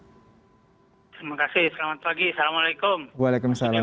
terima kasih selamat pagi assalamualaikum